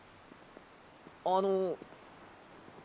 あの。